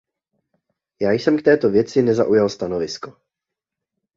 Já jsem k této věci nezaujal stanovisko.